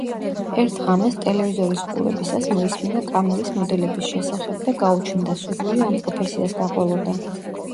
ერთ ღამეს ტელევიზორის ყურებისას მოისმინა „კამერის მოდელების“ შესახებ და გაუჩნდა სურვილი ამ პროფესიას გაყოლოდა.